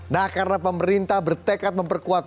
nah karena pemerintah bertekad memperkuat